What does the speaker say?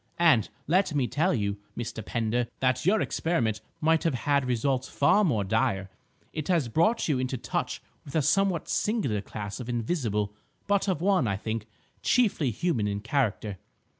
And, let me tell you, Mr. Pender, that your experiment might have had results far more dire. It has brought you into touch with a somewhat singular class of Invisible, but of one, I think, chiefly human in character.